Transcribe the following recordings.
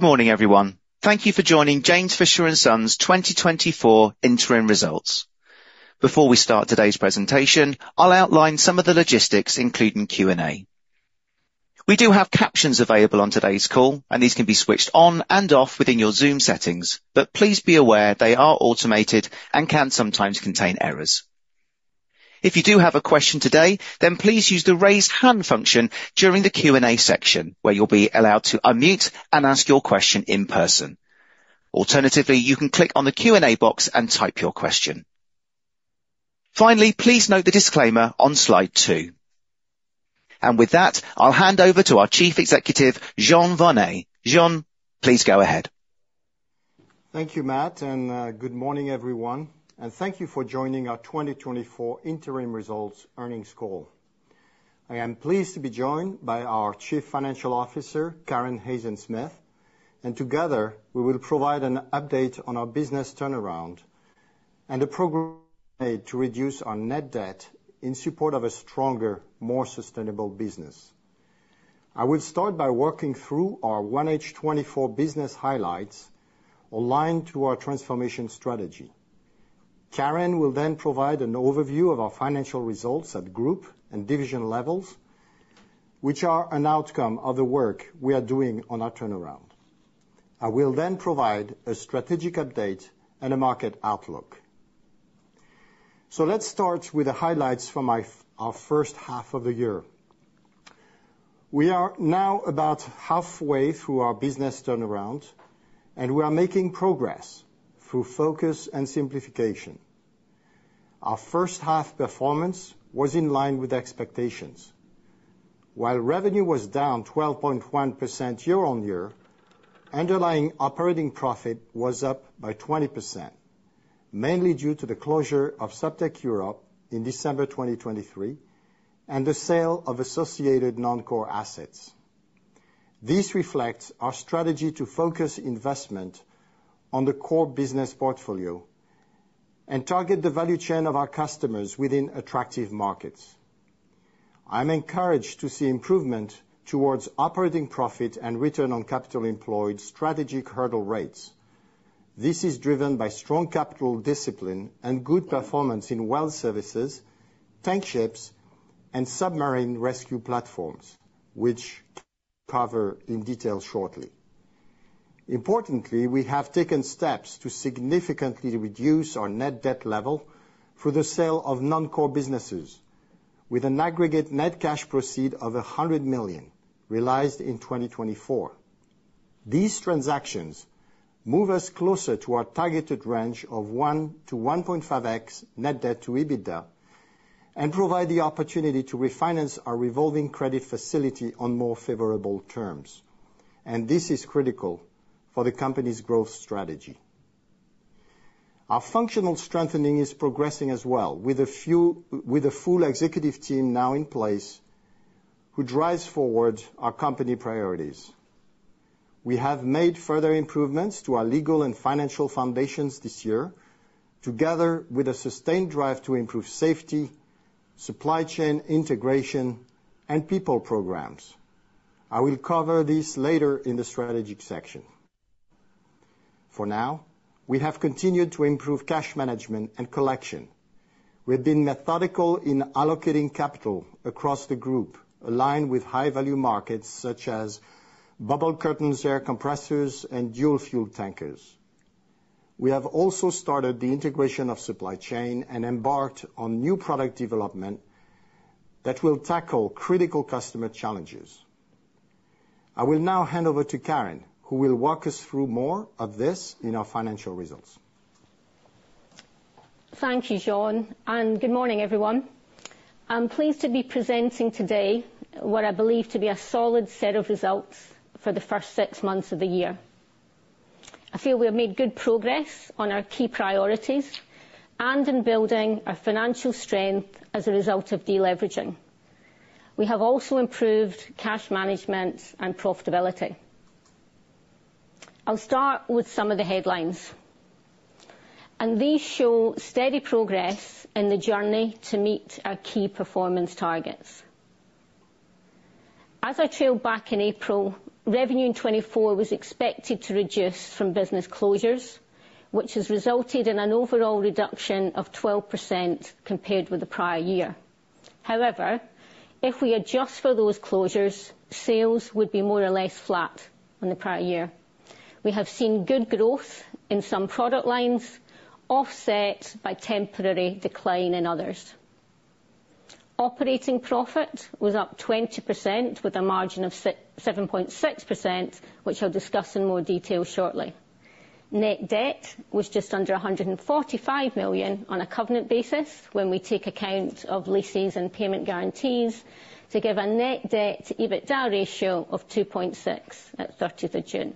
Good morning, everyone. Thank you for joining James Fisher and Sons' 2024 interim results. Before we start today's presentation, I'll outline some of the logistics, including Q&A. We do have captions available on today's call, and these can be switched on and off within your Zoom settings, but please be aware they are automated and can sometimes contain errors. If you do have a question today, then please use the Raise Hand function during the Q&A section, where you'll be allowed to unmute and ask your question in person. Alternatively, you can click on the Q&A box and type your question. Finally, please note the disclaimer on slide two, and with that, I'll hand over to our Chief Executive, Jean Vernet. Jean, please go ahead. Thank you, Matt, and good morning, everyone, and thank you for joining our 2024 interim results earnings call. I am pleased to be joined by our Chief Financial Officer, Karen Hayzen-Smith, and together we will provide an update on our business turnaround and the program made to reduce our net debt in support of a stronger, more sustainable business. I will start by working through our 1H 2024 business highlights aligned to our transformation strategy. Karen will then provide an overview of our financial results at group and division levels, which are an outcome of the work we are doing on our turnaround. I will then provide a strategic update and a market outlook. Let's start with the highlights from our first half of the year. We are now about halfway through our business turnaround, and we are making progress through focus and simplification. Our first half performance was in line with expectations. While revenue was down 12.1% year-on-year, underlying operating profit was up by 20%, mainly due to the closure of Subtech Europe in December 2023 and the sale of associated non-core assets. This reflects our strategy to focus investment on the core business portfolio and target the value chain of our customers within attractive markets. I'm encouraged to see improvement towards operating profit and return on capital employed strategic hurdle rates. This is driven by strong capital discipline and good performance in Well Services, Tankships, and submarine rescue platforms, which I'll cover in detail shortly. Importantly, we have taken steps to significantly reduce our net debt level through the sale of non-core businesses with an aggregate net cash proceeds of 100 million, realized in 2024. These transactions move us closer to our targeted range of 1x - 1.5x net debt-to-EBITDA, and provide the opportunity to refinance our revolving credit facility on more favorable terms, and this is critical for the company's growth strategy. Our functional strengthening is progressing as well, with a full executive team now in place, who drives forward our company priorities. We have made further improvements to our legal and financial foundations this year, together with a sustained drive to improve safety, supply chain integration, and people programs. I will cover this later in the strategy section. For now, we have continued to improve cash management and collection. We've been methodical in allocating capital across the group, aligned with high-value markets such as bubble curtains, air compressors, and dual-fuel tankers. We have also started the integration of supply chain and embarked on new product development that will tackle critical customer challenges. I will now hand over to Karen, who will walk us through more of this in our financial results. Thank you, Jean, and good morning, everyone. I'm pleased to be presenting today what I believe to be a solid set of results for the first six months of the year. I feel we have made good progress on our key priorities and in building our financial strength as a result of deleveraging. We have also improved cash management and profitability. I'll start with some of the headlines, and these show steady progress in the journey to meet our key performance targets. As I trailed back in April, revenue in 2024 was expected to reduce from business closures, which has resulted in an overall reduction of 12% compared with the prior year. However, if we adjust for those closures, sales would be more or less flat on the prior year. We have seen good growth in some product lines, offset by temporary decline in others. Operating profit was up 20%, with a margin of 7.6%, which I'll discuss in more detail shortly. Net debt was just under 145 million on a covenant basis when we take account of leases and payment guarantees to give a net debt-to-EBITDA ratio of 2.6 at 30th of June.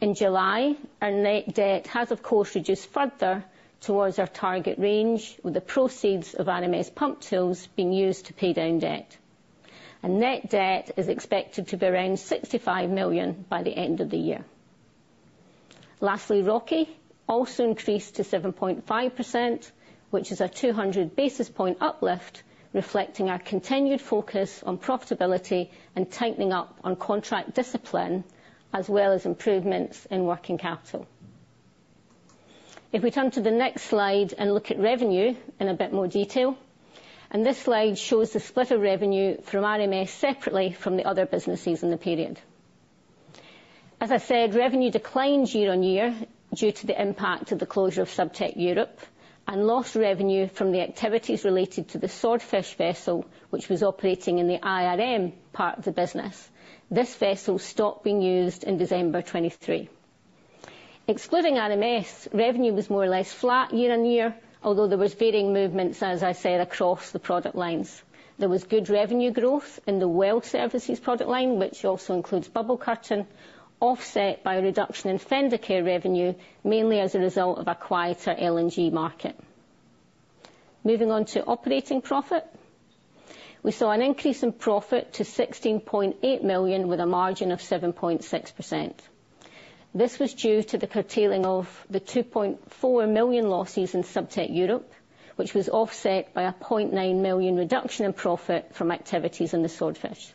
In July, our net debt has, of course, reduced further towards our target range, with the proceeds of RMS Pumptools being used to pay down debt, and net debt is expected to be around 65 million by the end of the year. Lastly, ROCE also increased to 7.5%, which is a 200 basis point uplift, reflecting our continued focus on profitability and tightening up on contract discipline, as well as improvements in working capital. If we turn to the next slide and look at revenue in a bit more detail, and this slide shows the split of revenue from RMS separately from the other businesses in the period. As I said, revenue declined year-on-year due to the impact of the closure of Subtech Europe, and lost revenue from the activities related to the Swordfish vessel, which was operating in the IRM part of the business. This vessel stopped being used in December 2023. Excluding RMS, revenue was more or less flat year-on-year, although there was varying movements, as I said, across the product lines. There was good revenue growth in the Well Services product line, which also includes Bubble Curtain, offset by a reduction in Fendercare revenue, mainly as a result of a quieter LNG market. Moving on to operating profit. We saw an increase in profit to 16.8 million, with a margin of 7.6%. This was due to the curtailing of the 2.4 million losses in Subtech Europe, which was offset by a 0.9 million reduction in profit from activities in the Swordfish.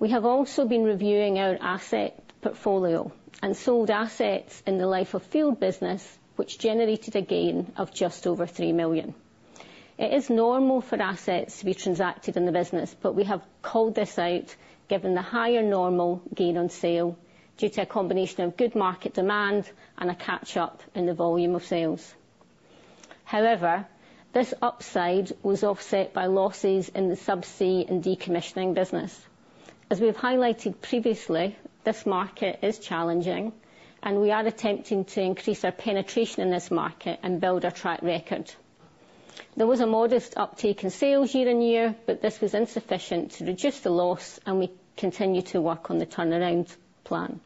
We have also been reviewing our asset portfolio and sold assets in the Life of Field business, which generated a gain of just over 3 million. It is normal for assets to be transacted in the business, but we have called this out given the higher normal gain on sale, due to a combination of good market demand and a catch up in the volume of sales. However, this upside was offset by losses in the subsea and decommissioning business. As we have highlighted previously, this market is challenging, and we are attempting to increase our penetration in this market and build our track record. There was a modest uptake in sales year-on-year, but this was insufficient to reduce the loss, and we continue to work on the turnaround plan.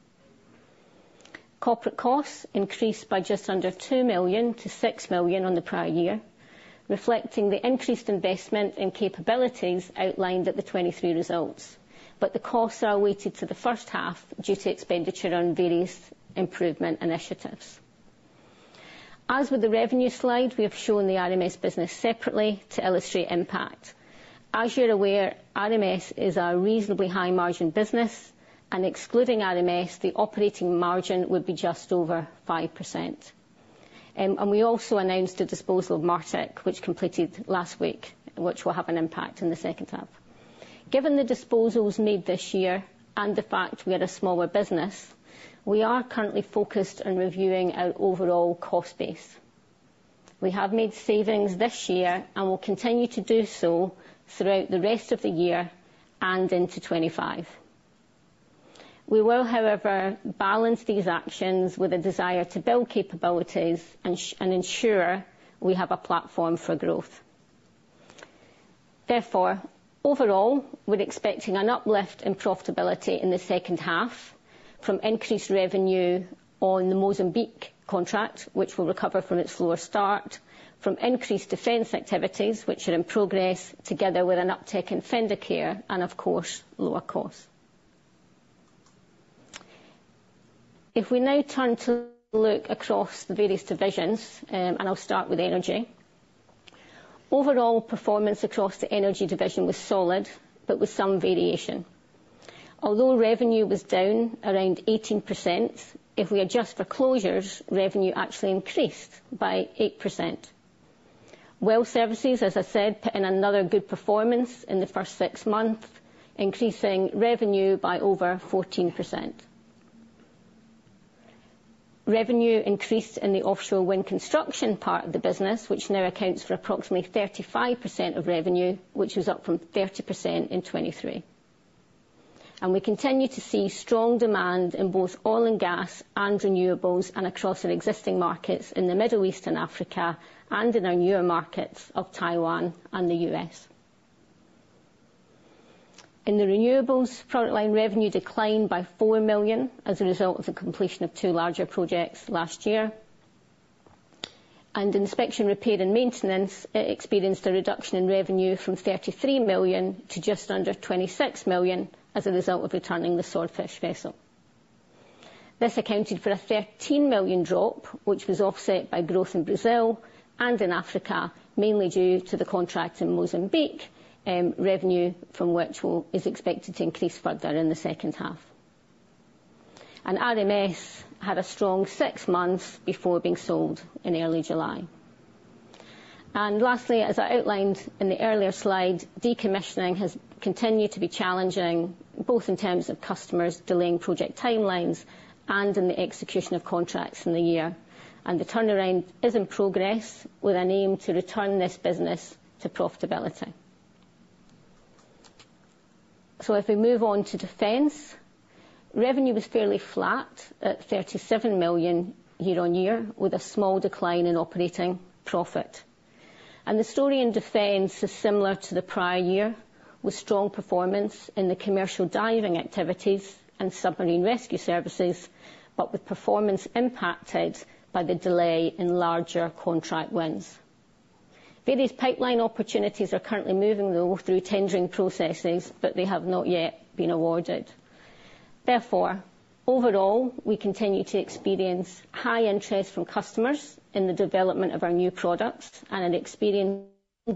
Corporate costs increased by just under 2 million to 6 million on the prior year, reflecting the increased investment in capabilities outlined at the 2023 results, but the costs are weighted to the first half due to expenditure on various improvement initiatives. As with the revenue slide, we have shown the RMS business separately to illustrate impact. As you're aware, RMS is our reasonably high-margin business, and excluding RMS, the operating margin would be just over 5%. And we also announced a disposal of Martek, which completed last week, which will have an impact in the second half. Given the disposals made this year and the fact we are a smaller business, we are currently focused on reviewing our overall cost base. We have made savings this year and will continue to do so throughout the rest of the year and into 2025. We will, however, balance these actions with a desire to build capabilities and ensure we have a platform for growth. Therefore, overall, we're expecting an uplift in profitability in the second half from increased revenue on the Mozambique contract, which will recover from its slower start, from increased defense activities, which are in progress, together with an uptick in Fendercare, and of course, lower costs. If we now turn to look across the various divisions, and I'll start with energy. Overall performance across the energy division was solid, but with some variation. Although revenue was down around 18%, if we adjust for closures, revenue actually increased by 8%. Well services, as I said, put in another good performance in the first six months, increasing revenue by over 14%. Revenue increased in the offshore wind construction part of the business, which now accounts for approximately 35% of revenue, which is up from 30% in 2023. And we continue to see strong demand in both oil and gas and renewables and across our existing markets in the Middle East and Africa and in our newer markets of Taiwan and the US. In the renewables product line, revenue declined by 4 million as a result of the completion of two larger projects last year. And Inspection, Repair, and Maintenance experienced a reduction in revenue from 33 million to just under 26 million as a result of returning the Swordfish vessel. This accounted for a 13 million drop, which was offset by growth in Brazil and in Africa, mainly due to the contract in Mozambique. Revenue from which is expected to increase further in the second half. RMS had a strong six months before being sold in early July. Lastly, as I outlined in the earlier slide, decommissioning has continued to be challenging, both in terms of customers delaying project timelines and in the execution of contracts in the year. The turnaround is in progress, with an aim to return this business to profitability. If we move on to defense, revenue was fairly flat at 37 million year-on-year, with a small decline in operating profit. The story in Defence is similar to the prior year, with strong performance in the commercial diving activities and submarine rescue services, but with performance impacted by the delay in larger contract wins. Various pipeline opportunities are currently moving through tendering processes, but they have not yet been awarded. Therefore, overall, we continue to experience high interest from customers in the development of our new products and intense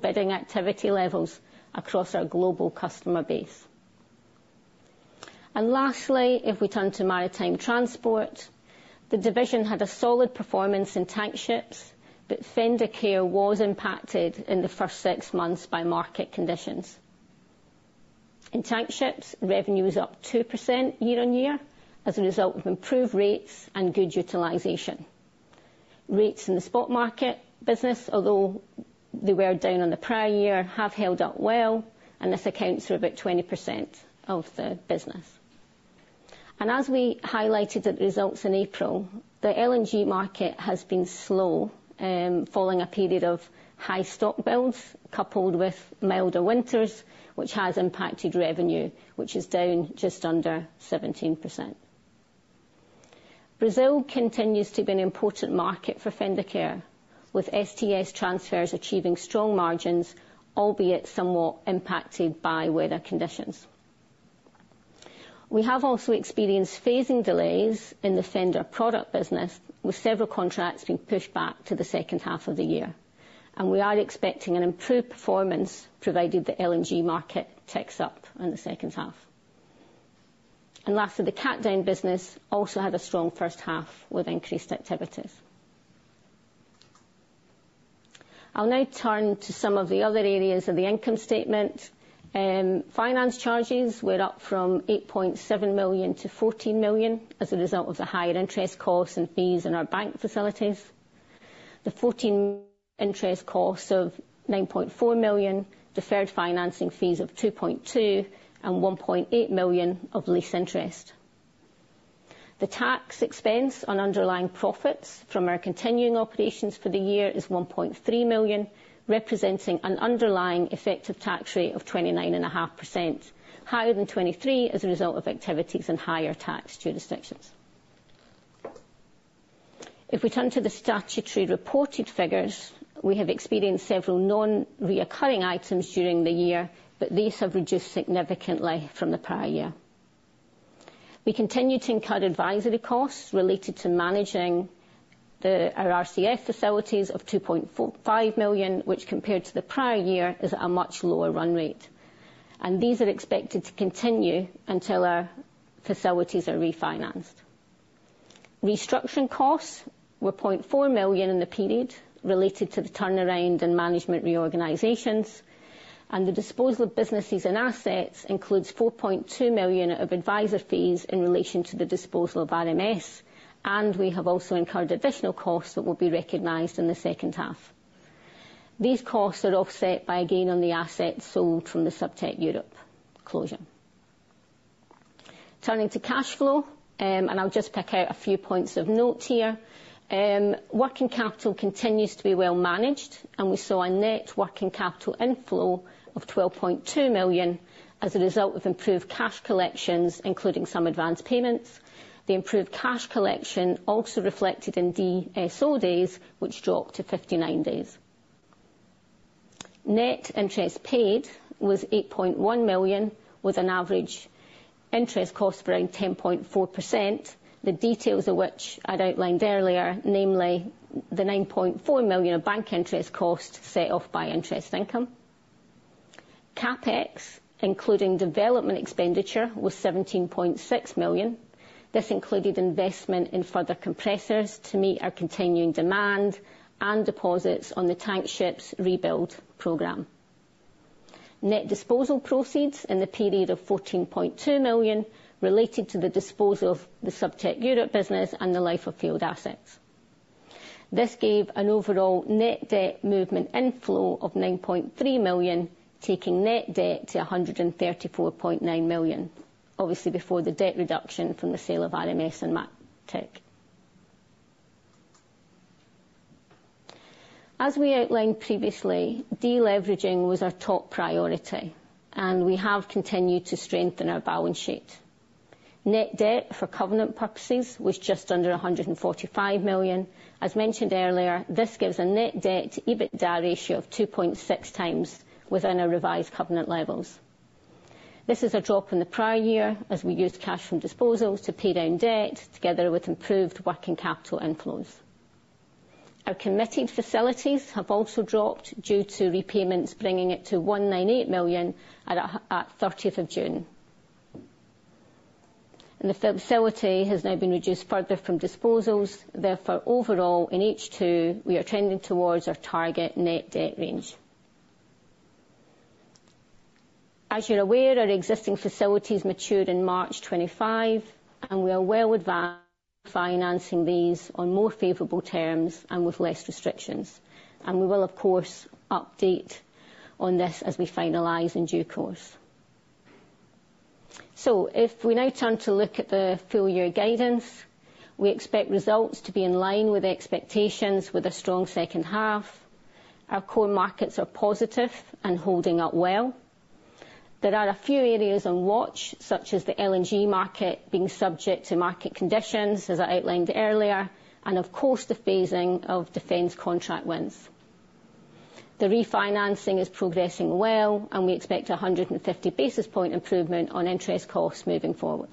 bidding activity levels across our global customer base. Lastly, if we turn to Maritime Transport, the division had a solid performance in Tank Ships, but Fendercare was impacted in the first six months by market conditions. In Tank Ships, revenue is up 2% year-on-year as a result of improved rates and good utilization. Rates in the spot market business, although they were down on the prior year, have held up well, and this accounts for about 20% of the business. As we highlighted the results in April, the LNG market has been slow, following a period of high stock builds, coupled with milder winters, which has impacted revenue, which is down just under 17%. Brazil continues to be an important market for Fendercare, with STS transfers achieving strong margins, albeit somewhat impacted by weather conditions. We have also experienced phasing delays in the Fender product business, with several contracts being pushed back to the second half of the year. We are expecting an improved performance, provided the LNG market ticks up in the second half. Lastly, the catering business also had a strong first half with increased activities. I'll now turn to some of the other areas of the income statement. Finance charges were up from 8.7 million to 14 million as a result of the higher interest costs and fees in our bank facilities. The 14 interest costs of 9.4 million, deferred financing fees of 2.2 million, and 1.8 million of lease interest. The tax expense on underlying profits from our continuing operations for the year is 1.3 million, representing an underlying effective tax rate of 29.5%, higher than 23% as a result of activities in higher tax jurisdictions. If we turn to the statutory reported figures, we have experienced several non-recurring items during the year, but these have reduced significantly from the prior year. We continue to incur advisory costs related to managing our RCF facilities of 2.45 million, which, compared to the prior year, is at a much lower run rate, and these are expected to continue until our facilities are refinanced. Restructuring costs were 0.4 million in the period related to the turnaround and management reorganizations, and the disposal of businesses and assets includes 4.2 million of advisor fees in relation to the disposal of RMS, and we have also incurred additional costs that will be recognized in the second half. These costs are offset by a gain on the assets sold from the Subtech Europe closure. Turning to cash flow, and I'll just pick out a few points of note here. Working capital continues to be well managed, and we saw a net working capital inflow of 12.2 million as a result of improved cash collections, including some advanced payments. The improved cash collection also reflected in DSO days, which dropped to 59 days. Net interest paid was 8.1 million, with an average interest cost around 10.4%, the details of which I'd outlined earlier, namely the 9.4 million of bank interest cost set off by interest income. CapEx, including development expenditure, was 17.6 million. This included investment in further compressors to meet our continuing demand and deposits on the Tank Ships rebuild program. Net disposal proceeds in the period of 14.2 million related to the disposal of the Subtech Europe business and the life of field assets. This gave an overall net debt movement inflow of 9.3 million, taking net debt to 134.9 million, obviously before the debt reduction from the sale of RMS and Martek. As we outlined previously, de-leveraging was our top priority, and we have continued to strengthen our balance sheet. Net debt for covenant purposes was just under 145 million. As mentioned earlier, this gives a net debt-to-EBITDA ratio of 2.6x within our revised covenant levels. This is a drop in the prior year as we used cash from disposals to pay down debt, together with improved working capital inflows. Our committed facilities have also dropped due to repayments, bringing it to 198 million at 30th of June. And the facility has now been reduced further from disposals. Therefore, overall, in H2, we are trending toward our target net debt range. As you're aware, our existing facilities matured in March 2025, and we are well advanced financing these on more favorable terms and with less restrictions, and we will, of course, update on this as we finalize in due course, so if we now turn to look at the full-year guidance, we expect results to be in line with expectations with a strong second half. Our core markets are positive and holding up well. There are a few areas on watch, such as the LNG market being subject to market conditions, as I outlined earlier, and of course, the phasing of defense contract wins. The refinancing is progressing well, and we expect a hundred and fifty basis point improvement on interest costs moving forward,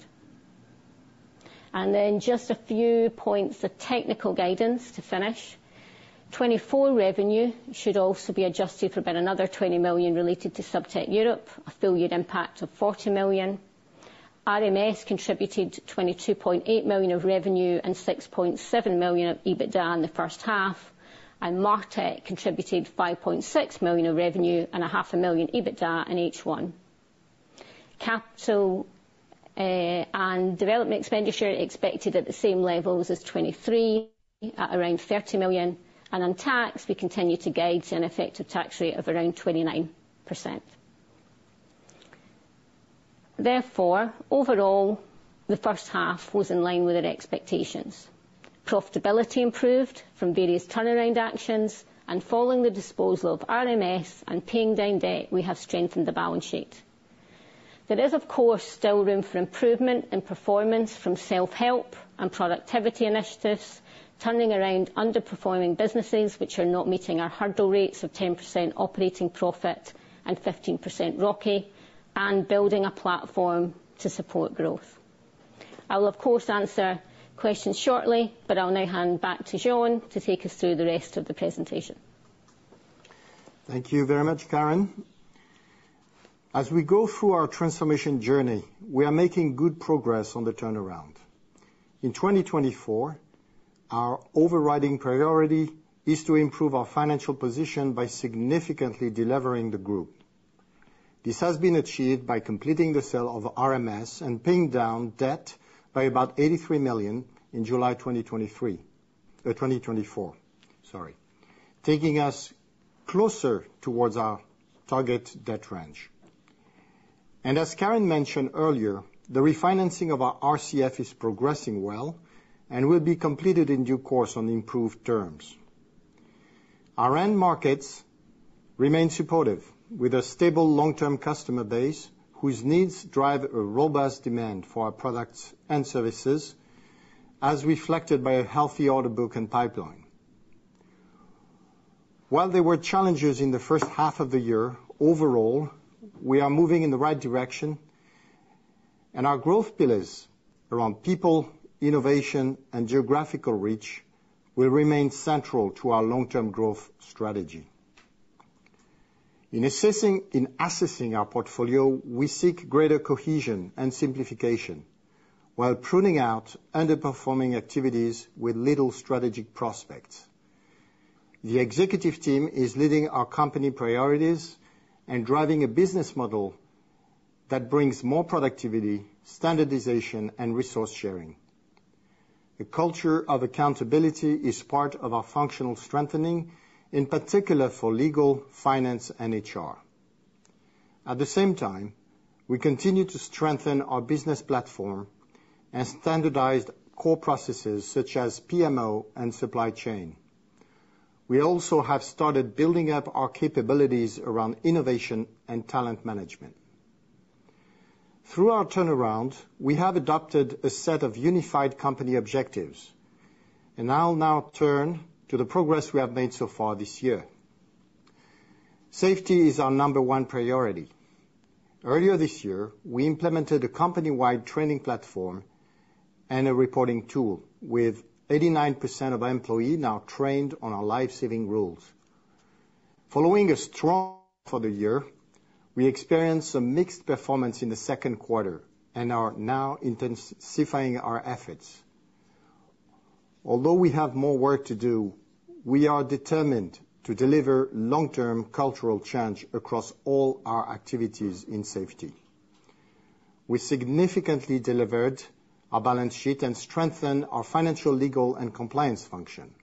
and then just a few points of technical guidance to finish. 2024 revenue should also be adjusted for about another 20 million related to Subtech Europe, a full year impact of 40 million. RMS contributed 22.8 million of revenue and 6.7 million of EBITDA in the first half, and Martek contributed 5.6 million of revenue and 0.5 million EBITDA in H1. Capital and development expenditure expected at the same levels as 2023, at around 30 million. On tax, we continue to guide an effective tax rate of around 29%. Therefore, overall, the first half was in line with our expectations. Profitability improved from various turnaround actions, and following the disposal of RMS and paying down debt, we have strengthened the balance sheet. There is, of course, still room for improvement in performance from self-help and productivity initiatives, turning around underperforming businesses which are not meeting our hurdle rates of 10% operating profit and 15% ROCE, and building a platform to support growth. I will, of course, answer questions shortly, but I'll now hand back to Jean to take us through the rest of the presentation. Thank you very much, Karen. As we go through our transformation journey, we are making good progress on the turnaround. In 2024, our overriding priority is to improve our financial position by significantly deleveraging the group. This has been achieved by completing the sale of RMS and paying down debt by about 83 million in July 2024, taking us closer towards our target debt range. As Karen mentioned earlier, the refinancing of our RCF is progressing well and will be completed in due course on improved terms. Our end markets remain supportive, with a stable long-term customer base whose needs drive a robust demand for our products and services, as reflected by a healthy order book and pipeline. While there were challenges in the first half of the year, overall, we are moving in the right direction, and our growth pillars around people, innovation, and geographical reach will remain central to our long-term growth strategy. In assessing our portfolio, we seek greater cohesion and simplification, while pruning out underperforming activities with little strategic prospects. The executive team is leading our company priorities and driving a business model that brings more productivity, standardization, and resource sharing. A culture of accountability is part of our functional strengthening, in particular for legal, finance, and HR. At the same time, we continue to strengthen our business platform and standardized core processes such as PMO and supply chain. We also have started building up our capabilities around innovation and talent management. Through our turnaround, we have adopted a set of unified company objectives, and I'll now turn to the progress we have made so far this year. Safety is our number one priority. Earlier this year, we implemented a company-wide training platform and a reporting tool, with 89% of our employees now trained on our life-saving rules. Following a strong start for the year, we experienced some mixed performance in the second quarter and are now intensifying our efforts. Although we have more work to do, we are determined to deliver long-term cultural change across all our activities in safety. We significantly deleveraged our balance sheet and strengthened our financial, legal, and compliance functions.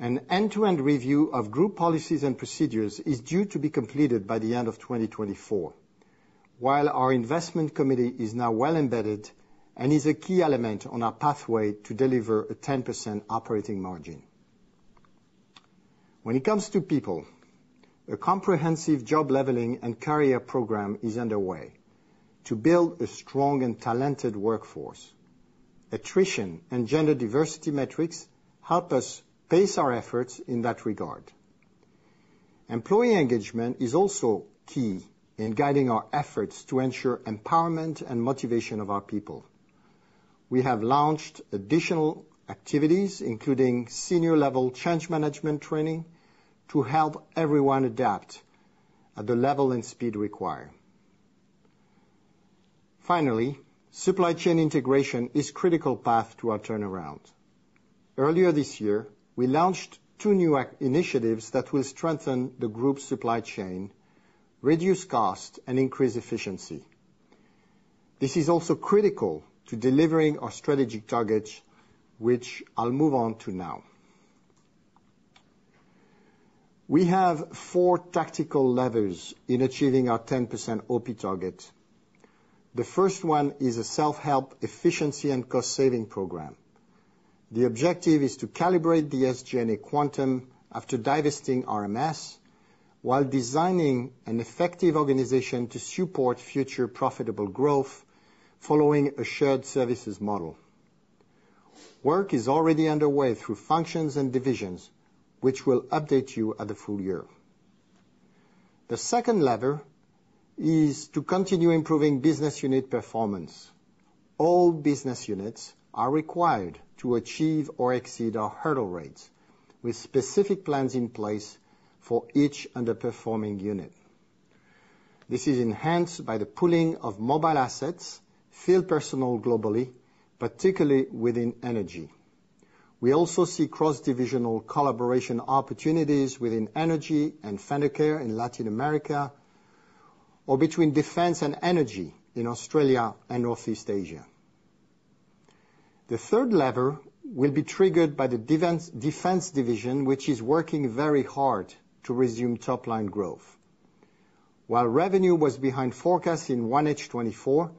An end-to-end review of group policies and procedures is due to be completed by the end of 2024, while our investment committee is now well embedded and is a key element on our pathway to deliver a 10% operating margin. When it comes to people, a comprehensive job leveling and career program is underway to build a strong and talented workforce. Attrition and gender diversity metrics help us pace our efforts in that regard. Employee engagement is also key in guiding our efforts to ensure empowerment and motivation of our people. We have launched additional activities, including senior-level change management training, to help everyone adapt at the level and speed required. Finally, supply chain integration is critical path to our turnaround. Earlier this year, we launched two new initiatives that will strengthen the group's supply chain, reduce cost, and increase efficiency. This is also critical to delivering our strategic targets, which I'll move on to now. We have four tactical levers in achieving our 10% Op target. The first one is a self-help efficiency and cost-saving program. The objective is to calibrate the SG&A quantum after divesting RMS, while designing an effective organization to support future profitable growth following a shared services model. Work is already underway through functions and divisions, which we'll update you at the full year. The second lever is to continue improving business unit performance. All business units are required to achieve or exceed our hurdle rates, with specific plans in place for each underperforming unit. This is enhanced by the pooling of mobile assets, field personnel globally, particularly within energy. We also see cross-divisional collaboration opportunities within energy and Fendercare in Latin America, or between defense and energy in Australia and Northeast Asia. The third lever will be triggered by the Defence Division, which is working very hard to resume top-line growth. While revenue was behind forecast in 1H 2024,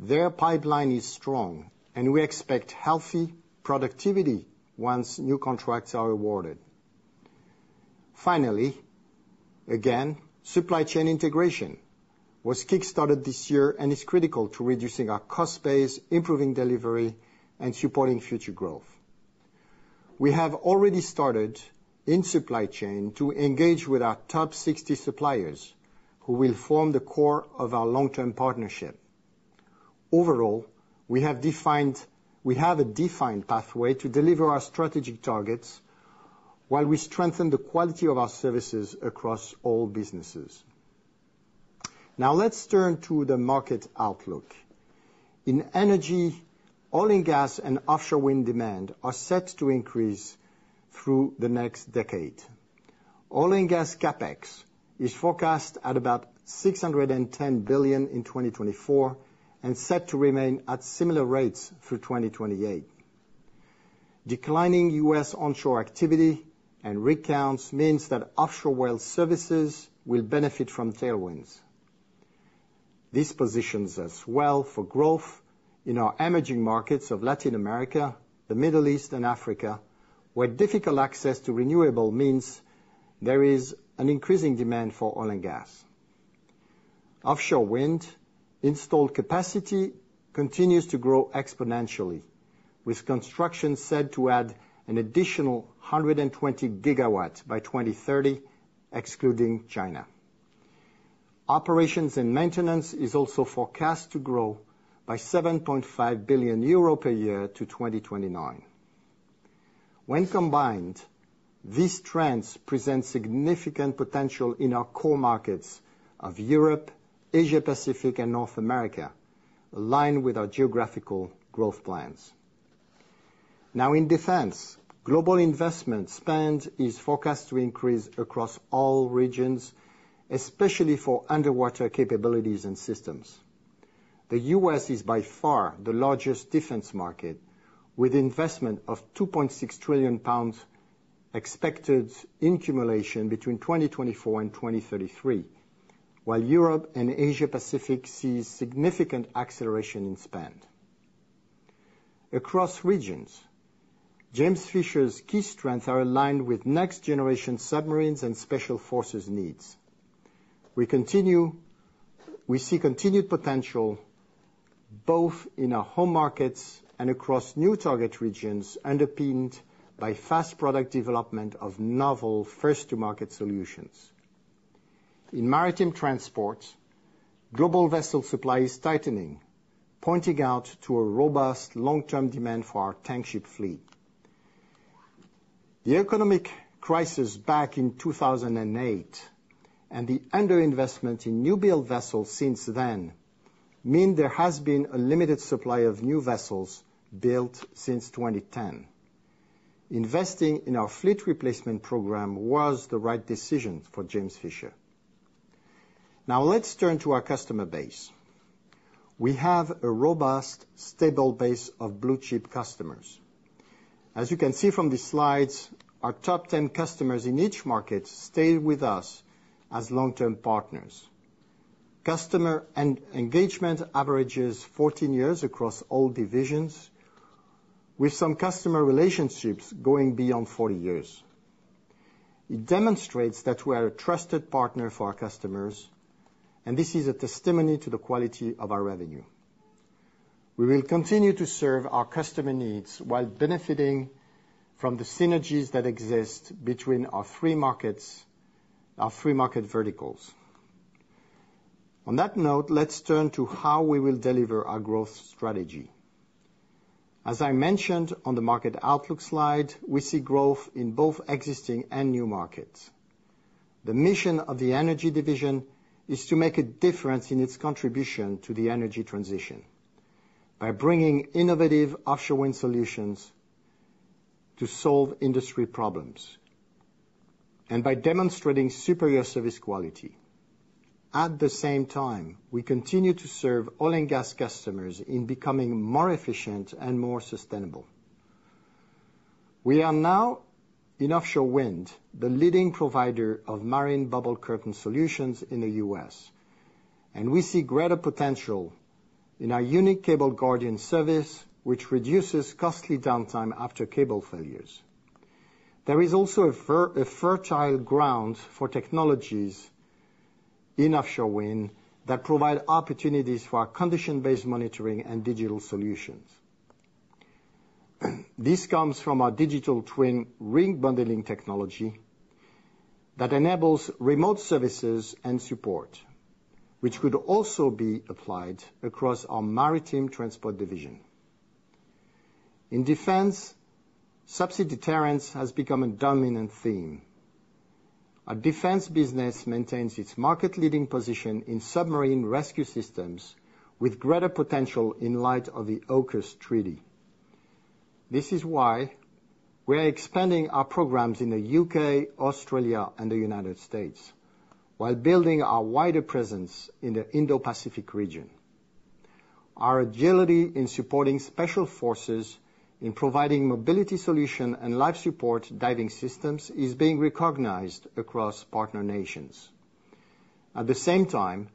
their pipeline is strong, and we expect healthy productivity once new contracts are awarded. Finally, again, supply chain integration was kickstarted this year and is critical to reducing our cost base, improving delivery, and supporting future growth. We have already started in supply chain to engage with our top 60 suppliers, who will form the core of our long-term partnership. Overall, we have a defined pathway to deliver our strategic targets, while we strengthen the quality of our services across all businesses. Now, let's turn to the market outlook. In energy, oil and gas and offshore wind demand are set to increase through the next decade. Oil and gas CapEx is forecast at about $610 billion in 2024, and set to remain at similar rates through 2028. Declining U.S. onshore activity and rig counts means that offshore well services will benefit from tailwinds. This positions us well for growth in our emerging markets of Latin America, the Middle East, and Africa, where difficult access to renewables means there is an increasing demand for oil and gas. Offshore wind installed capacity continues to grow exponentially, with construction set to add an additional 120 GW by 2030, excluding China. Operations and maintenance is also forecast to grow by 7.5 billion euro per year to 2029. When combined, these trends present significant potential in our core markets of Europe, Asia-Pacific, and North America, aligned with our geographical growth plans. Now, in defense, global investment spend is forecast to increase across all regions, especially for underwater capabilities and systems. The U.S. is by far the largest defense market, with investment of 2.6 trillion pounds expected in accumulation between 2024 and 2033, while Europe and Asia-Pacific see significant acceleration in spend. Across regions, James Fisher's key strengths are aligned with next-generation submarines and special forces needs. We see continued potential both in our home markets and across new target regions, underpinned by fast product development of novel first-to-market solutions. In maritime transport, global vessel supply is tightening, pointing to a robust long-term demand for our tank ship fleet. The economic crisis back in 2008, and the underinvestment in new-build vessels since then, mean there has been a limited supply of new vessels built since 2010. Investing in our fleet replacement program was the right decision for James Fisher. Now, let's turn to our customer base. We have a robust, stable base of blue-chip customers. As you can see from the slides, our top ten customers in each market stay with us as long-term partners. Customer engagement averages 14 years across all divisions, with some customer relationships going beyond 40 years. It demonstrates that we are a trusted partner for our customers, and this is a testimony to the quality of our revenue. We will continue to serve our customer needs while benefiting from the synergies that exist between our three markets, our three market verticals. On that note, let's turn to how we will deliver our growth strategy. As I mentioned on the market outlook slide, we see growth in both existing and new markets. The mission of the energy division is to make a difference in its contribution to the energy transition by bringing innovative offshore wind solutions to solve industry problems, and by demonstrating superior service quality. At the same time, we continue to serve oil and gas customers in becoming more efficient and more sustainable. We are now, in offshore wind, the leading provider of marine Bubble Curtain solutions in the U.S., and we see greater potential in our unique Cable Guardian service, which reduces costly downtime after cable failures. There is also a fertile ground for technologies in offshore wind that provide opportunities for our condition-based monitoring and digital solutions. This comes from our Digital Twin rig bundling technology that enables remote services and support, which could also be applied across our maritime transport division. In defense, subsea deterrence has become a dominant theme. Our defense business maintains its market-leading position in submarine rescue systems, with greater potential in light of the AUKUS treaty. This is why we are expanding our programs in the UK, Australia, and the United States, while building our wider presence in the Indo-Pacific region. Our agility in supporting special forces in providing mobility solution and life support diving systems is being recognized across partner nations. At the same time,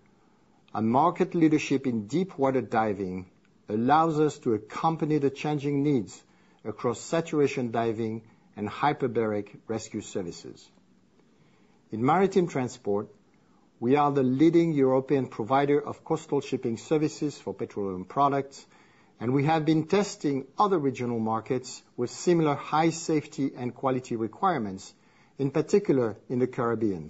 our market leadership in deep water diving allows us to accompany the changing needs across saturation diving and hyperbaric rescue services. In maritime transport, we are the leading European provider of coastal shipping services for petroleum products, and we have been testing other regional markets with similar high safety and quality requirements, in particular, in the Caribbean.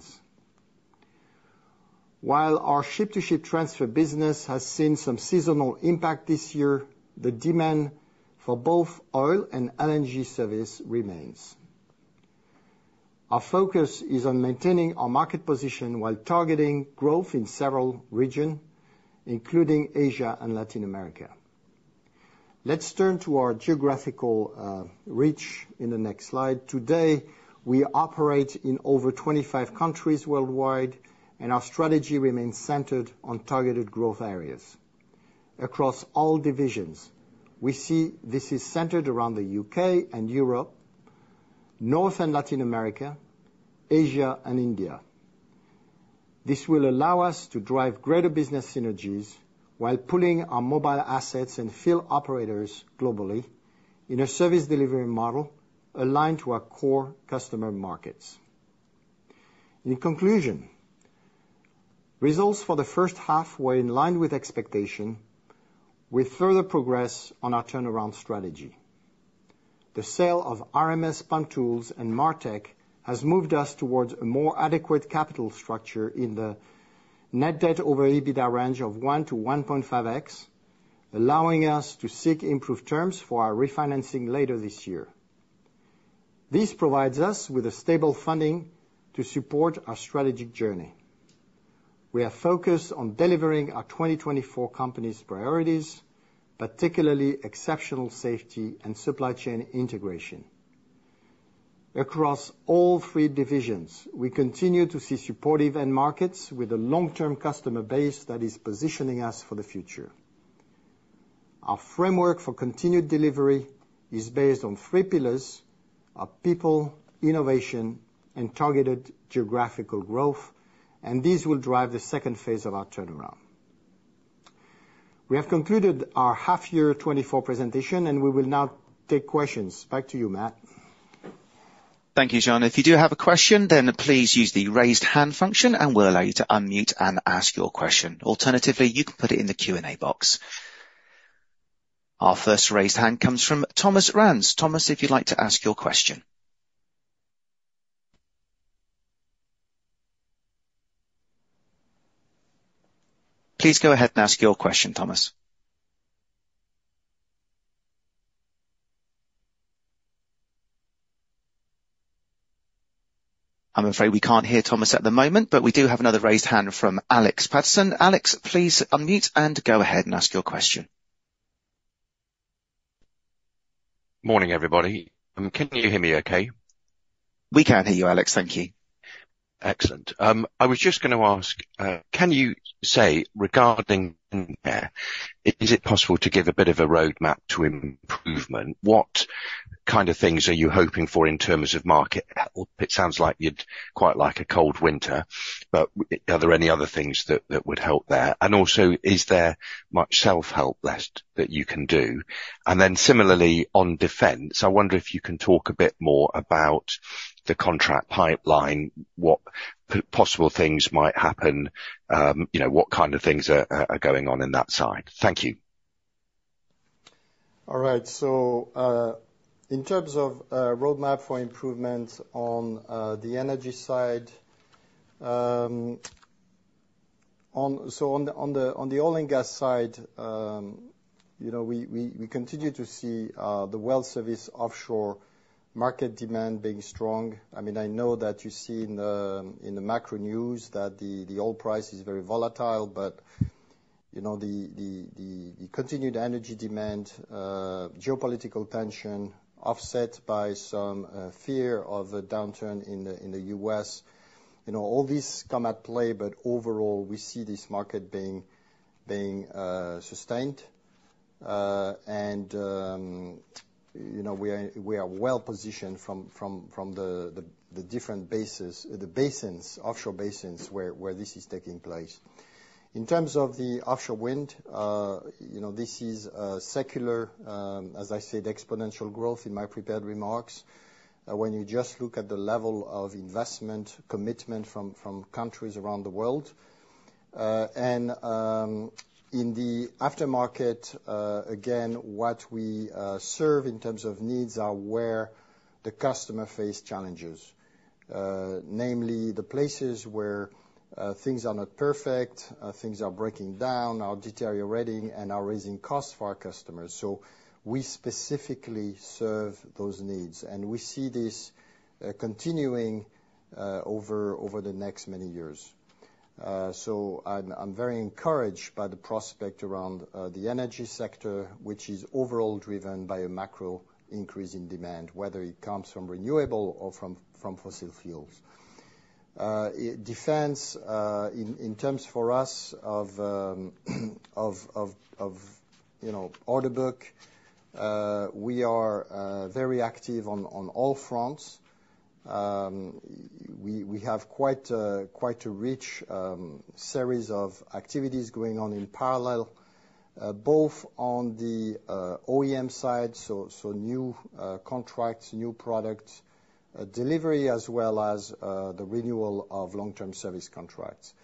While our ship-to-ship transfer business has seen some seasonal impact this year, the demand for both oil and LNG service remains. Our focus is on maintaining our market position while targeting growth in several regions, including Asia and Latin America. Let's turn to our geographical reach in the next slide. Today, we operate in over 25 countries worldwide, and our strategy remains centered on targeted growth areas. Across all divisions, we see this is centered around the U.K. and Europe, North America and Latin America, Asia and India. This will allow us to drive greater business synergies while pulling our mobile assets and field operators globally in a service delivery model aligned to our core customer markets. In conclusion, results for the first half were in line with expectations, with further progress on our turnaround strategy. The sale of RMS Pumptools and Martek has moved us towards a more adequate capital structure in the net debt-over-EBITDA range of 1x-1.5x, allowing us to seek improved terms for our refinancing later this year. This provides us with a stable funding to support our strategic journey. We are focused on delivering our 2024 Company's priorities, particularly exceptional safety and supply chain integration. Across all three divisions, we continue to see supportive end markets with a long-term customer base that is positioning us for the future. Our framework for continued delivery is based on three pillars: our people, innovation, and targeted geographical growth, and these will drive the second phase of our turnaround. We have concluded our half-year 2024 presentation, and we will now take questions. Back to you, Matt. Thank you, Jean. If you do have a question, then please use the Raise Hand function, and we'll allow you to unmute and ask your question. Alternatively, you can put it in the Q&A box. Our first raised hand comes from Thomas Rands. Thomas, if you'd like to ask your question. Please go ahead and ask your question, Thomas. I'm afraid we can't hear Thomas at the moment, but we do have another raised hand from Alex Paterson. Alex, please unmute and go ahead and ask your question. Morning, everybody. Can you hear me okay? We can hear you, Alex. Thank you. Excellent. I was just gonna ask, can you say, regarding there, is it possible to give a bit of a roadmap to improvement? What kind of things are you hoping for in terms of market? It sounds like you'd quite like a cold winter, but are there any other things that would help there? And also, is there much self-help left that you can do? And then similarly, on defense, I wonder if you can talk a bit more about the contract pipeline, what possible things might happen, you know, what kind of things are going on in that side? Thank you. All right. So, in terms of roadmap for improvement on the energy side, on the oil and gas side, you know, we continue to see the well service offshore market demand being strong. I mean, I know that you see in the macro news that the oil price is very volatile, but, you know, the continued energy demand, geopolitical tension, offset by some fear of a downturn in the U.S., you know, all these come into play, but overall, we see this market being sustained. And, you know, we are well positioned from the different basins, offshore basins, where this is taking place. In terms of the offshore wind, you know, this is a secular, as I said, exponential growth in my prepared remarks. When you just look at the level of investment commitment from countries around the world. In the aftermarket, again, what we serve in terms of needs are where the customer face challenges. Namely, the places where things are not perfect, things are breaking down, are deteriorating and are raising costs for our customers. So we specifically serve those needs, and we see this continuing over the next many years. So I'm very encouraged by the prospect around the energy sector, which is overall driven by a macro increase in demand, whether it comes from renewable or from fossil fuels. Defense, in terms for us of, you know, order book, we are very active on all fronts. We have quite a rich series of activities going on in parallel, both on the OEM side, so new contracts, new products, delivery, as well as the renewal of long-term service contracts.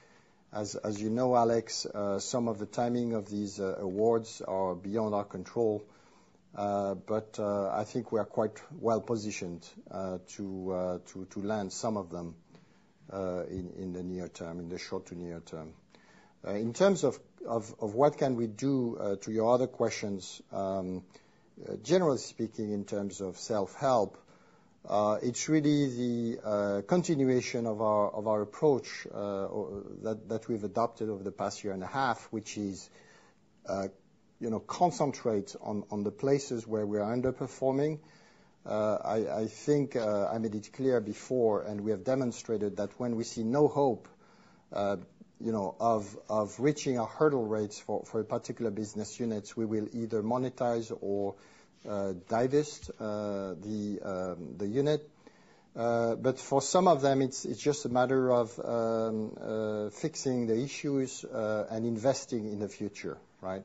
As you know, Alex, some of the timing of these awards are beyond our control, but I think we are quite well positioned to land some of them in the near term, in the short to near term. In terms of what we can do to your other questions, generally speaking, in terms of self-help, it's really the continuation of our approach that we've adopted over the past year and a half, which is, you know, concentrate on the places where we are underperforming. I think I made it clear before, and we have demonstrated that when we see no hope, you know, of reaching our hurdle rates for a particular business unit, we will either monetize or divest the unit. But for some of them, it's just a matter of fixing the issues and investing in the future, right?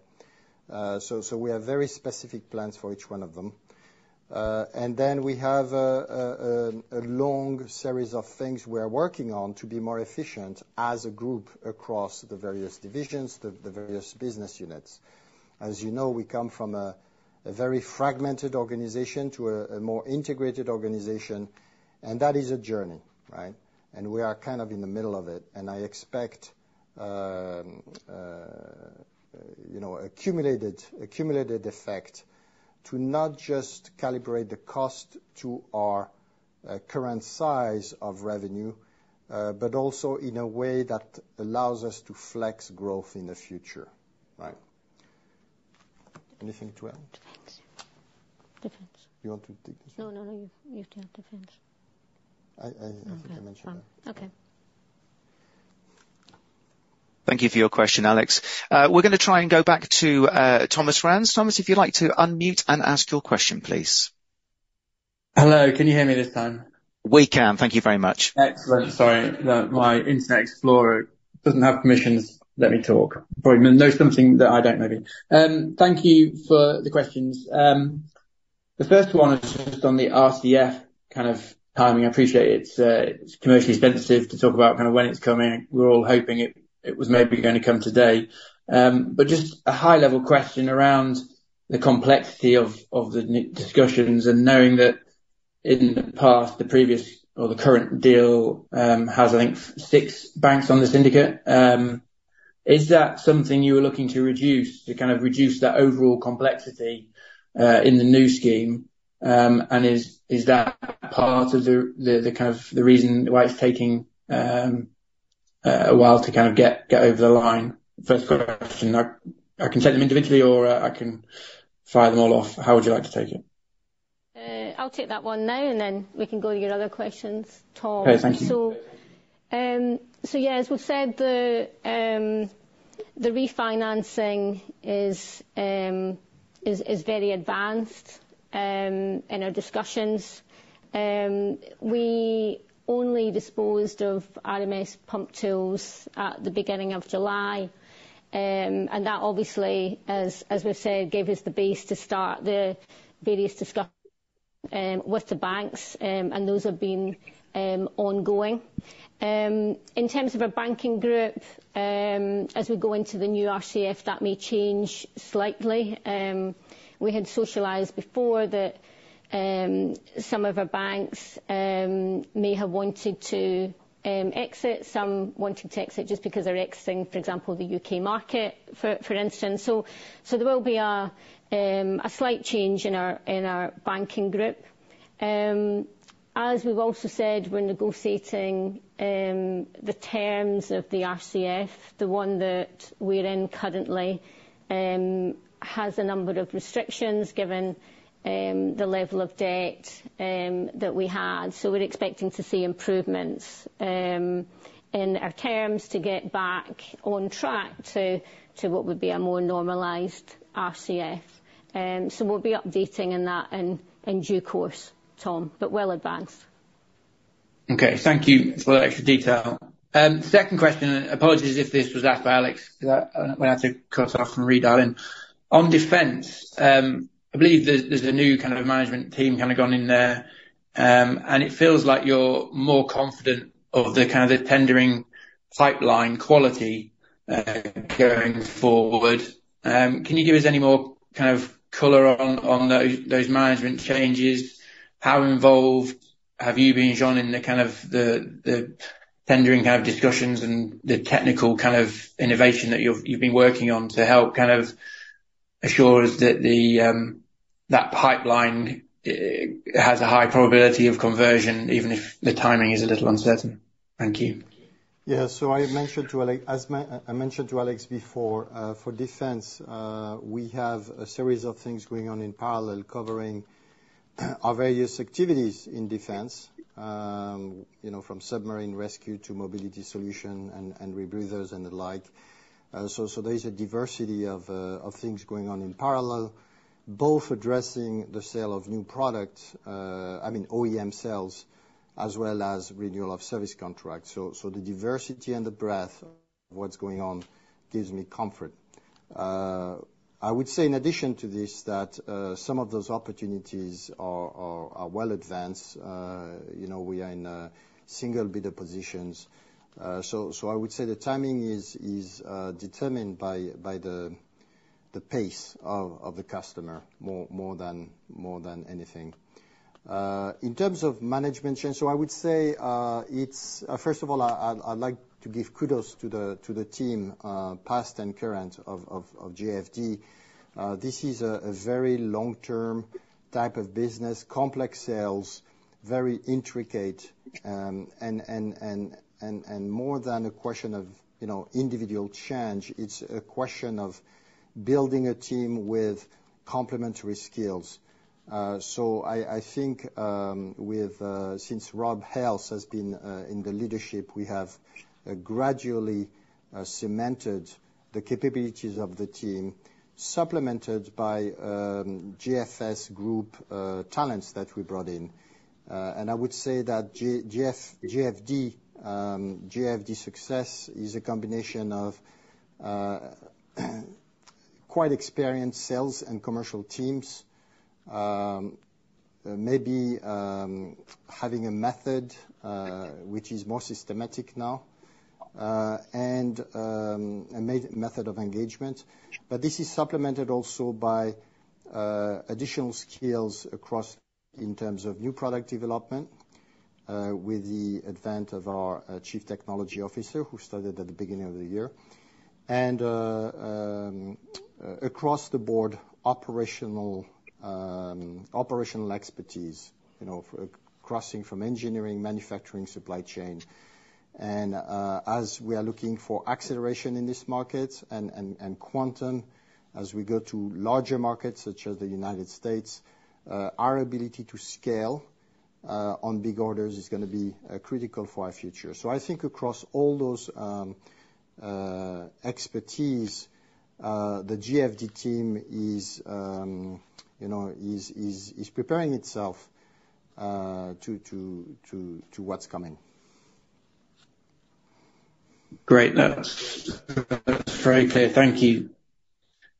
So we have very specific plans for each one of them. And then we have a long series of things we are working on to be more efficient as a group across the various divisions, the various business units. As you know, we come from a very fragmented organization to a more integrated organization, and that is a journey, right? And we are kind of in the middle of it, and I expect, you know, accumulated effect to not just calibrate the cost to our current size of revenue, but also in a way that allows us to flex growth in the future, right? Anything to add? Defense. Defense. You want to take this? No, no, no, you've got defense. I think I mentioned that. Okay. Thank you for your question, Alex. We're gonna try and go back to Thomas Rands. Thomas, if you'd like to unmute and ask your question, please. Hello, can you hear me this time? We can. Thank you very much. Excellent. Sorry, my Internet Explorer doesn't have permissions to let me talk. Probably knows something that I don't, maybe. Thank you for the questions. The first one is just on the RCF kind of timing. I appreciate it's, commercially sensitive to talk about kind of when it's coming. We're all hoping it was maybe going to come today. But just a high-level question around the complexity of the discussions and knowing that in the past, the previous or the current deal, has, I think, six banks on the syndicate. Is that something you are looking to reduce, to kind of reduce that overall complexity, in the new scheme? And is that part of the, kind of, the reason why it's taking, a while to kind of get over the line? First question. I can take them individually, or I can fire them all off. How would you like to take it? I'll take that one now, and then we can go to your other questions, Tom. Okay, thank you. So yes, we've said the refinancing is very advanced in our discussions. We only disposed of RMS Pumptools at the beginning of July, and that obviously, as we've said, gave us the base to start the various discussions with the banks, and those have been ongoing. In terms of our banking group, as we go into the new RCF, that may change slightly. We had socialized before that, some of our banks may have wanted to exit. Some wanting to exit just because they're exiting, for example, the U.K. market, for instance. So there will be a slight change in our banking group. As we've also said, we're negotiating the terms of the RCF, the one that we're in currently. has a number of restrictions, given the level of debt that we had. So we're expecting to see improvements in our terms to get back on track to what would be a more normalized RCF. so we'll be updating on that in due course, Tom, but well advanced. Okay, thank you for that extra detail. Second question, apologies if this was asked by Alex, because I went out to cut off and redial in. On defense, I believe there's a new kind of management team kind of gone in there, and it feels like you're more confident of the kind of tendering pipeline quality going forward. Can you give us any more kind of color on those management changes? How involved have you been, Jean, in the kind of tendering kind of discussions and the technical kind of innovation that you've been working on to help kind of assure us that the pipeline has a high probability of conversion, even if the timing is a little uncertain? Thank you. Yeah. So I mentioned to Alex before, for defense, we have a series of things going on in parallel, covering our various activities in defense, you know, from submarine rescue to mobility solution and rebreathers and the like. So there is a diversity of things going on in parallel, both addressing the sale of new products, I mean, OEM sales, as well as renewal of service contracts. So the diversity and the breadth of what's going on gives me comfort. I would say, in addition to this, that some of those opportunities are well advanced. You know, we are in single bidder positions. So I would say the timing is determined by the pace of the customer, more than anything. In terms of management change, so I would say it's. First of all, I'd like to give kudos to the team, past and current, of JFD. This is a very long-term type of business, complex sales, very intricate, and more than a question of, you know, individual change, it's a question of building a team with complementary skills. So I think with since Rob Hales has been in the leadership, we have gradually cemented the capabilities of the team, supplemented by GFS group talents that we brought in. And I would say that JFD success is a combination of quite experienced sales and commercial teams. Maybe having a method which is more systematic now, and a method of engagement. But this is supplemented also by additional skills across in terms of new product development with the advent of our Chief Technology Officer, who started at the beginning of the year. Across the board, operational expertise, you know, for crossing from engineering, manufacturing, supply chain. As we are looking for acceleration in this market and quantum, as we go to larger markets such as the United States, our ability to scale on big orders is gonna be critical for our future. So I think across all those expertise, the JFD team is, you know, preparing itself to what's coming. Great. That's very clear. Thank you,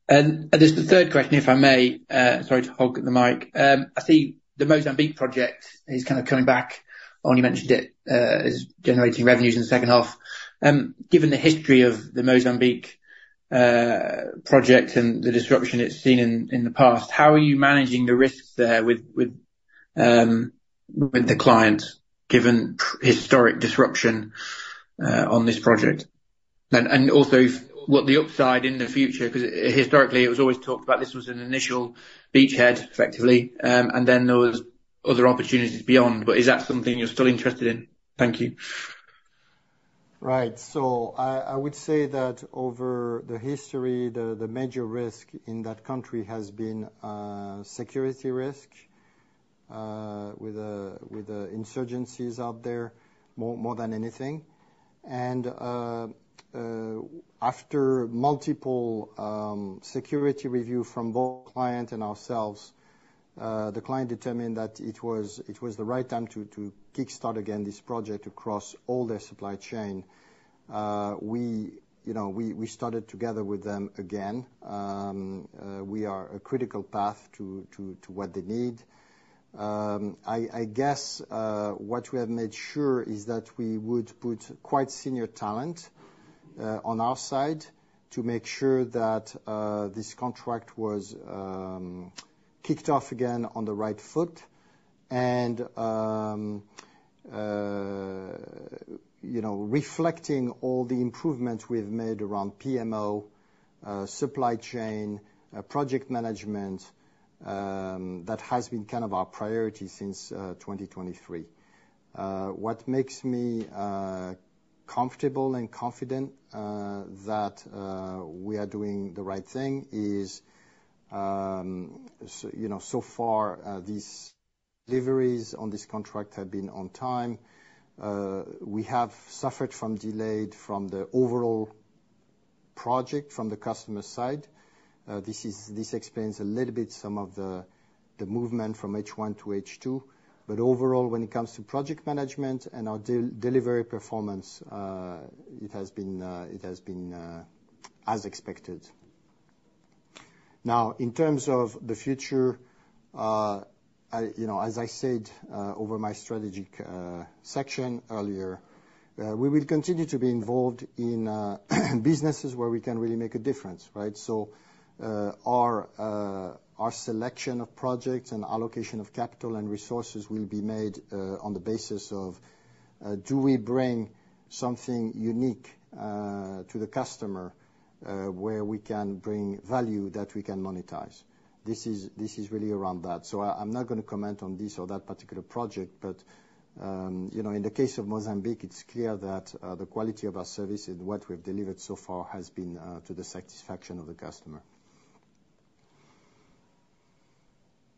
and just the third question, if I may, sorry to hog the mic. I see the Mozambique project is kind of coming back. You mentioned it as generating revenues in the second half. Given the history of the Mozambique project and the disruption it's seen in the past, how are you managing the risks there with the client, given historic disruption on this project? And also, what the upside in the future, 'cause historically, it was always talked about this was an initial beachhead, effectively, and then there was other opportunities beyond, but is that something you're still interested in? Thank you. Right. So I would say that over the history, the major risk in that country has been security risk with the insurgencies out there, more than anything. And after multiple security review from both client and ourselves, the client determined that it was the right time to kickstart again this project across all their supply chain. We, you know, we started together with them again. We are a critical path to what they need. I guess what we have made sure is that we would put quite senior talent on our side to make sure that this contract was kicked off again on the right foot. You know, reflecting all the improvements we've made around PMO, supply chain, project management, that has been kind of our priority since 2023. What makes me comfortable and confident that we are doing the right thing is, so, you know, so far, these deliveries on this contract have been on time. We have suffered from delays from the overall project from the customer side. This explains a little bit some of the movement from H1 to H2. But overall, when it comes to project management and our delivery performance, it has been as expected. Now, in terms of the future, I, you know, as I said, over my strategic section earlier, we will continue to be involved in businesses where we can really make a difference, right? So, our selection of projects and allocation of capital and resources will be made on the basis of do we bring something unique to the customer where we can bring value that we can monetize? This is really around that. So I, I'm not gonna comment on this or that particular project, but you know, in the case of Mozambique, it's clear that the quality of our service and what we've delivered so far has been to the satisfaction of the customer.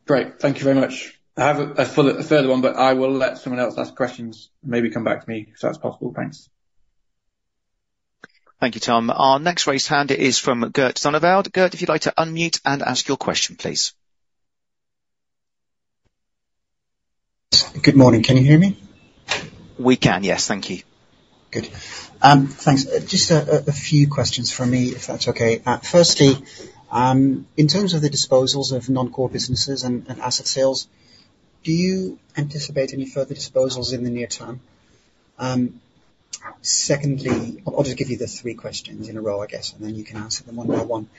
Great. Thank you very much. I have a further one, but I will let someone else ask questions, maybe come back to me, if that's possible. Thanks. Thank you, Tom. Our next raised hand is from Gert Zonneveld. Gert, if you'd like to unmute and ask your question, please. Good morning. Can you hear me? We can, yes. Thank you. Good. Thanks. Just a few questions from me, if that's okay. Firstly, in terms of the disposals of non-core businesses and asset sales, do you anticipate any further disposals in the near term? Secondly, I'll just give you the three questions in a row, I guess, and then you can answer them one by one.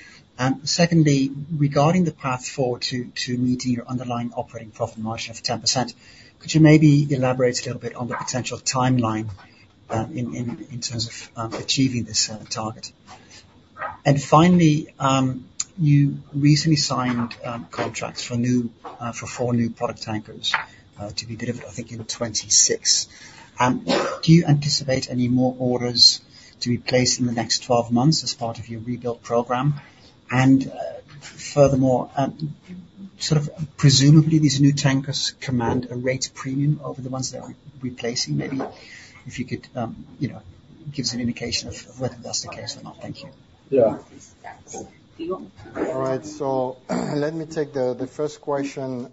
Secondly, regarding the path forward to meeting your underlying operating profit margin of 10%, could you maybe elaborate a little bit on the potential timeline in terms of achieving this target? And finally, you recently signed contracts for four new product tankers to be delivered, I think, in 2026. Do you anticipate any more orders to be placed in the next 12 months as part of your rebuild program? Furthermore, sort of presumably, these new tankers command a rate premium over the ones they are replacing. Maybe if you could, you know, give us an indication of whether that's the case or not. Thank you. Yeah. All right, so let me take the first question.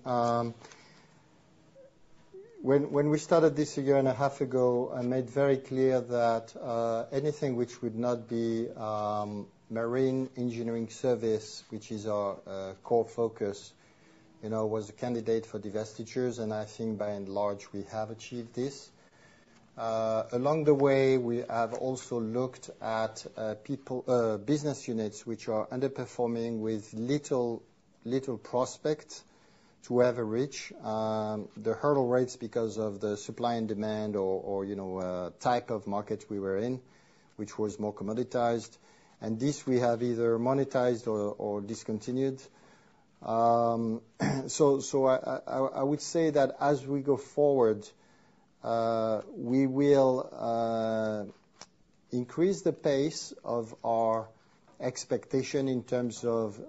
When we started this a year and a half ago, I made very clear that anything which would not be marine engineering service, which is our core focus, you know, was a candidate for divestitures, and I think by and large, we have achieved this. Along the way, we have also looked at people business units which are underperforming with little prospect to reach the hurdle rates because of the supply and demand or, you know, type of market we were in, which was more commoditized, and this we have either monetized or discontinued. I would say that as we go forward, we will increase the pace of our expectation in terms of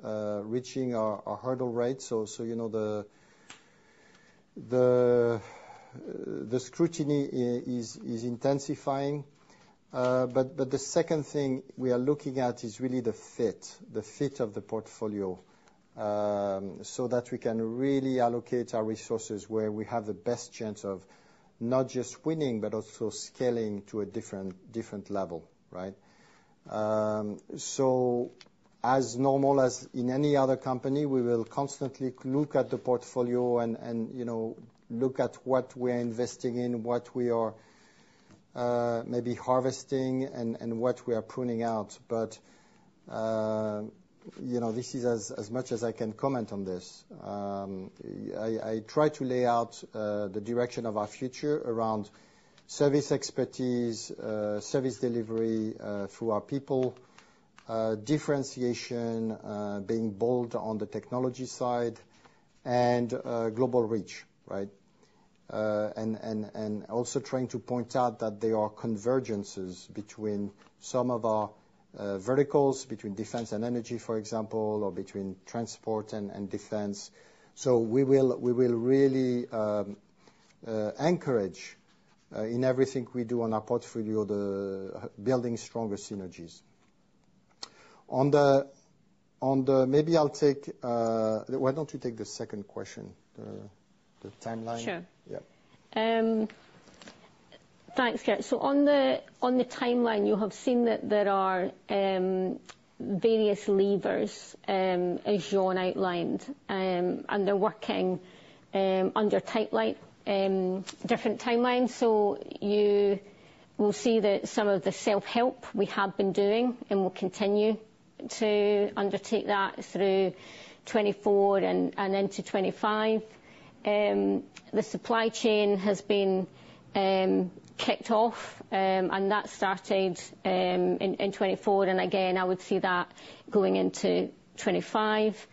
reaching our hurdle rate. You know, the scrutiny is intensifying. The second thing we are looking at is really the fit of the portfolio, so that we can really allocate our resources where we have the best chance of not just winning but also scaling to a different level, right? As normal as in any other company, we will constantly look at the portfolio and you know, look at what we are investing in, what we are maybe harvesting, and what we are pruning out. You know, this is as much as I can comment on this. I try to lay out the direction of our future around service expertise, service delivery through our people, differentiation, being bold on the technology side and global reach, right? And also trying to point out that there are convergences between some of our verticals, between defense and energy, for example, or between transport and defense. So we will really encourage in everything we do on our portfolio the building stronger synergies. On the... Maybe I'll take, why don't you take the second question, the timeline? Sure. Yeah. Thanks, Gert. So on the timeline, you have seen that there are various levers as Jean outlined, and they're working under tight timelines. We'll see that some of the self-help we have been doing, and we'll continue to undertake that through 2024 and then to 2025. The supply chain has been kicked off, and that started in 2024, and again, I would see that going into 2025.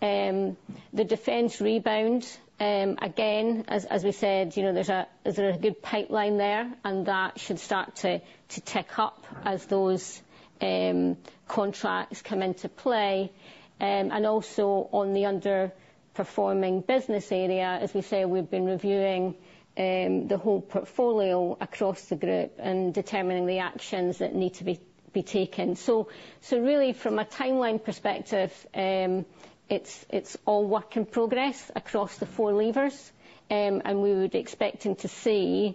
The defense rebound, again, as we said, you know, there's a good pipeline there, and that should start to tick up as those contracts come into play. And also on the underperforming business area, as we say, we've been reviewing the whole portfolio across the group and determining the actions that need to be taken. So really, from a timeline perspective, it's all work in progress across the four levers. And we would be expecting to see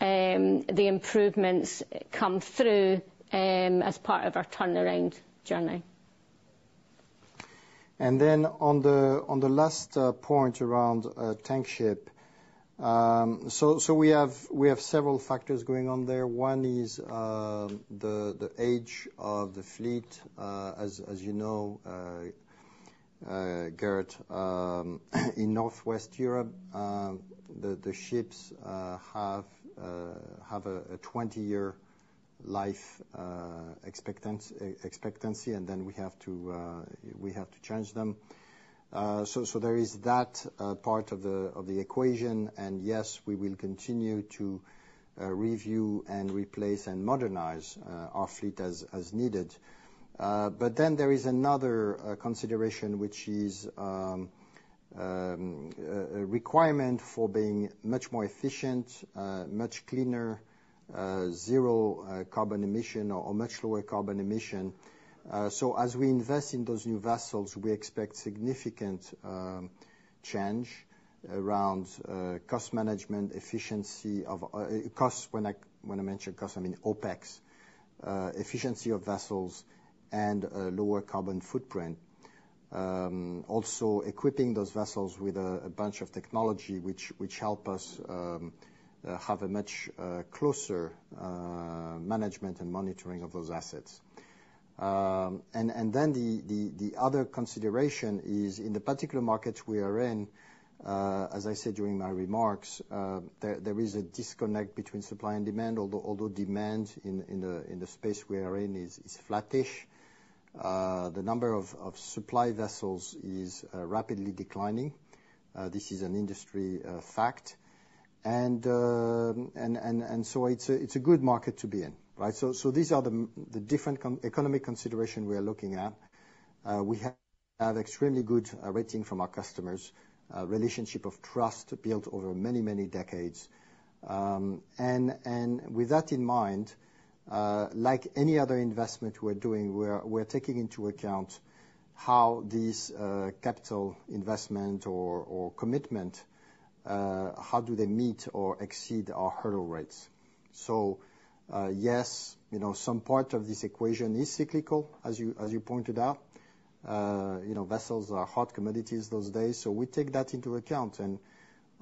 the improvements come through as part of our turnaround journey. On the last point around tanker. So we have several factors going on there. One is the age of the fleet. As you know, Gert, in Northwest Europe, the ships have a twenty-year life expectancy, and then we have to change them. So there is that part of the equation, and yes, we will continue to review and replace and modernize our fleet as needed. But then there is another consideration, which is a requirement for being much more efficient, much cleaner, zero carbon emission or much lower carbon emission. So as we invest in those new vessels, we expect significant change around cost management, efficiency of cost. When I mention cost, I mean OpEx, efficiency of vessels and lower carbon footprint. Also equipping those vessels with a bunch of technology which help us have a much closer management and monitoring of those assets. And then the other consideration is, in the particular market we are in, as I said during my remarks, there is a disconnect between supply and demand. Although demand in the space we are in is flattish, the number of supply vessels is rapidly declining. This is an industry fact, and so it's a good market to be in, right? So these are the different economic considerations we are looking at. We have extremely good rating from our customers, relationship of trust built over many decades. And with that in mind, like any other investment we're doing, we're taking into account how this capital investment or commitment, how do they meet or exceed our hurdle rates? So yes, you know, some part of this equation is cyclical, as you pointed out. You know, vessels are hot commodities those days, so we take that into account and,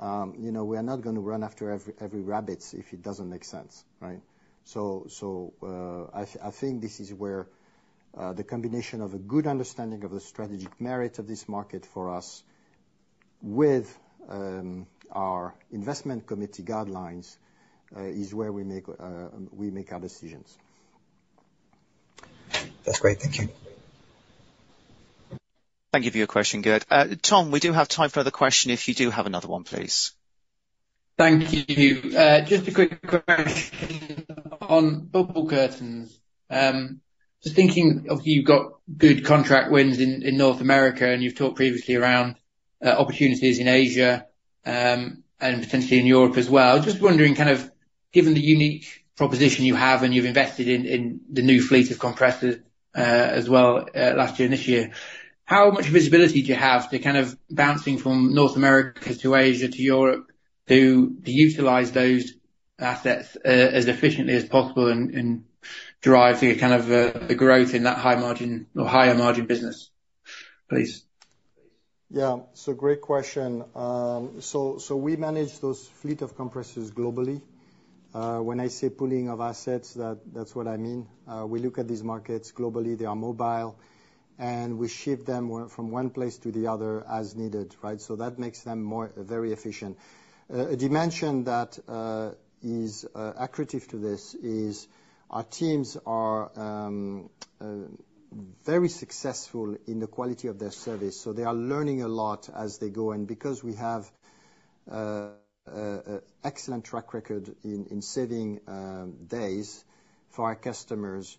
you know, we are not gonna run after every rabbit if it doesn't make sense, right? So, I think this is where the combination of a good understanding of the strategic merit of this market for us with our investment committee guidelines is where we make our decisions. That's great. Thank you. Thank you for your question, Gert. Tom, we do have time for another question if you do have another one, please. Thank you. Just a quick question on bubble curtains. Just thinking of you've got good contract wins in North America, and you've talked previously around opportunities in Asia, and potentially in Europe as well. Just wondering, kind of, given the unique proposition you have and you've invested in the new fleet of compressors as well last year and this year, how much visibility do you have to kind of bouncing from North America to Asia to Europe to utilize those assets as efficiently as possible and drive the kind of the growth in that high margin or higher margin business, please? Yeah, it's a great question. So we manage those fleet of compressors globally. When I say pooling of assets, that's what I mean. We look at these markets globally. They are mobile, and we ship them from one place to the other as needed, right? So that makes them more very efficient. A dimension that is accretive to this is our teams are very successful in the quality of their service, so they are learning a lot as they go on. Because we have a excellent track record in saving days for our customers,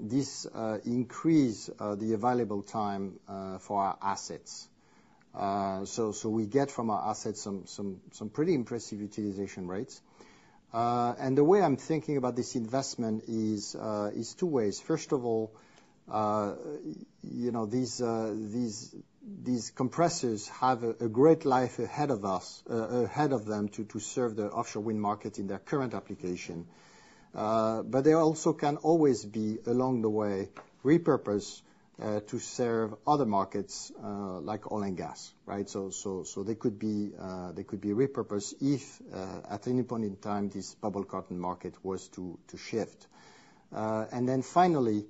this increase the available time for our assets. So we get from our assets some pretty impressive utilization rates. And the way I'm thinking about this investment is two ways. First of all, you know, these compressors have a great life ahead of us - ahead of them to serve the offshore wind market in their current application. But they also can always be, along the way, repurposed to serve other markets, like oil and gas, right? So they could be repurposed if at any point in time, this bubble curtain market was to shift. And then finally,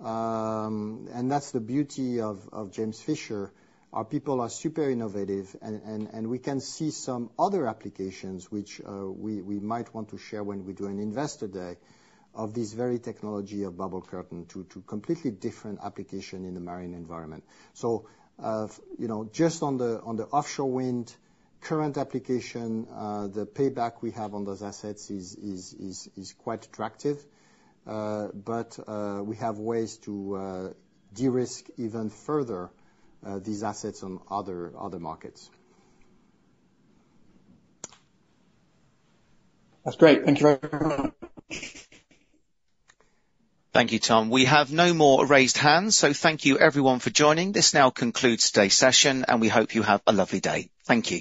and that's the beauty of James Fisher, our people are super innovative and we can see some other applications which we might want to share when we do an investor day, of this very technology of bubble curtain to completely different application in the marine environment. You know, just on the offshore wind current application, the payback we have on those assets is quite attractive, but we have ways to de-risk even further these assets on other markets. That's great. Thank you very much. Thank you, Tom. We have no more raised hands, so thank you everyone for joining. This now concludes today's session, and we hope you have a lovely day. Thank you.